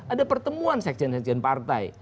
ada pertemuan sekjen sekjen partai